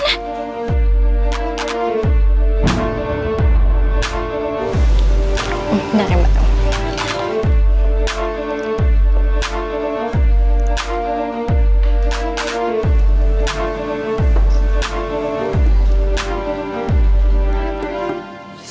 udah kembar dong